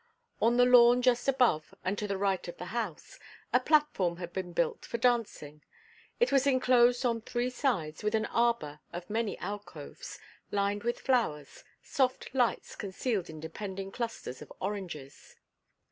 On the lawn just above and to the right of the house, a platform had been built for dancing; it was enclosed on three sides with an arbor of many alcoves, lined with flowers, soft lights concealed in depending clusters of oranges.